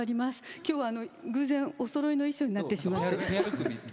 きょうは偶然、おそろいの衣装になってしまいました。